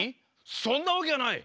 そんなわけはない！